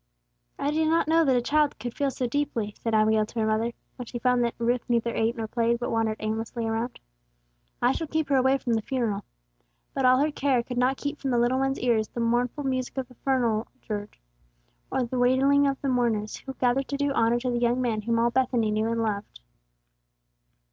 "I did not know that a little child could feel so deeply," said Abigail to her mother, when she found that Ruth neither ate nor played, but wandered aimlessly around. "I shall keep her away from the funeral." But all her care could not keep from the little one's ears the mournful music of the funeral dirge, or the wailing of the mourners, who gathered to do honor to the young man whom all Bethany knew and loved.